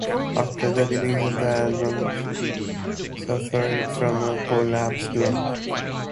After the release of the album, Skatore suffered from a collapsed lung.